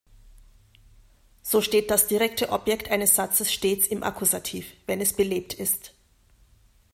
So steht das direkte Objekt eine Satzes stets im Akkusativ, wenn es belebt ist.